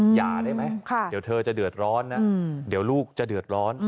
อย่าได้ไหมเดี๋ยวเธอจะเดือดร้อนนะเดี๋ยวลูกจะเดือดร้อน